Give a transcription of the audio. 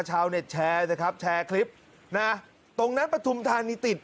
ชาวเน็ตแชร์สิครับแชร์คลิปนะตรงนั้นปฐุมธานีติด